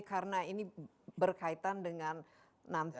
karena ini berkaitan dengan